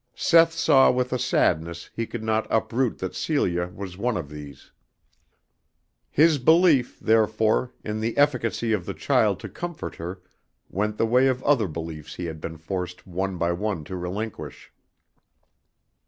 Seth saw with a sadness he could not uproot that Celia was one of these. His belief, therefore, in the efficacy of the child to comfort her went the way of other beliefs he had been forced one by one to relinquish.